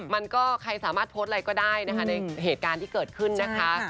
มันก็ใครสามารถโพสต์อะไรก็ได้นะคะในเหตุการณ์ที่เกิดขึ้นนะคะ